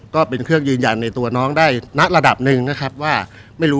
ก็เป็นเครื่องยืนยันในตัวน้องได้ณระดับหนึ่งนะครับว่าไม่รู้